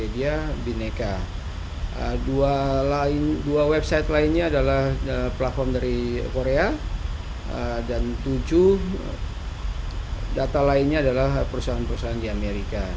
dua website lainnya adalah platform dari korea dan tujuh data lainnya adalah perusahaan perusahaan di amerika